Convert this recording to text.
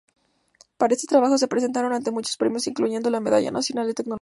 Para este trabajo se presentaron ante muchos premios, incluyendo la Medalla Nacional de Tecnología.